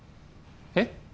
えっ？